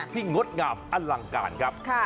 ที่งดงามอลังการครับค่ะ